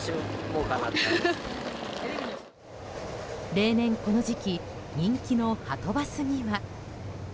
例年この時期、人気のはとバスには。